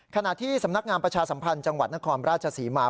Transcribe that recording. ขณะที่สำนักงามประชาสัมพันธ์จังหวัดนครราชศรีมา